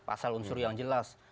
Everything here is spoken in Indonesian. pasal unsur yang jelas